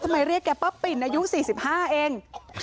ทำไมเรียกแกป๊อปปิ่นอายุ๔๕เอง